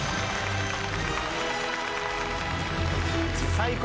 最高。